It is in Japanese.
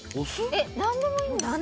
何でもいいんだ。